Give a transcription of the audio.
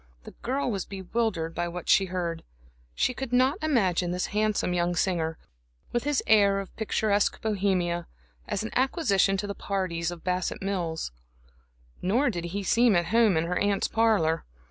The girl was bewildered by what she heard. She could not imagine this handsome young singer, with his air of picturesque Bohemia, as an acquisition to the parties of Bassett Mills; nor did he seem at home in her aunt's parlor.